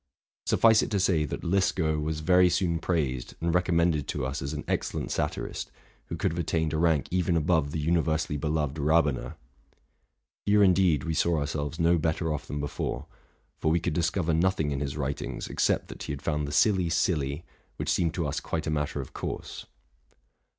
Suffice it to say, that Liskow was very soon praised and recommended to us as an excellent satirist, who could have attained a rank even above the universally beloved Ra bener. Here, indeed, we saw ourselves no better off than before ; for we could discov er nothing in his writings, except that he had found the silly, silly, which seemed to us quite : matter of course.